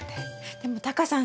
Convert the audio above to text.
でもタカさん